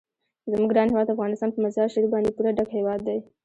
زموږ ګران هیواد افغانستان په مزارشریف باندې پوره ډک هیواد دی.